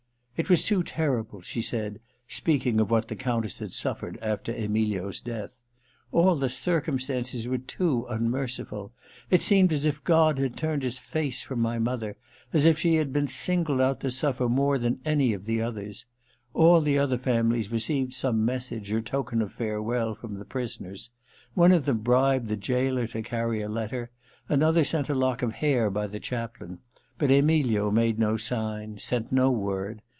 *It was too terrible,' she said, speaking of what the Countess had suffered after Emilio's death. *A11 the circumstances were too un merciful. It seemed as if God had turned His 244 THE LETTER ii face from my mother ; as if she had been singled out to suffer more than any of the others. All the other families received some message or token of farewell from the prisoners. One of them bribed the gaoler to carry a letter — another sent a lock of hair by the chaplain. But Emilio made no sign, sent no word.